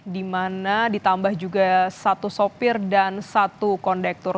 di mana ditambah juga satu sopir dan satu kondektur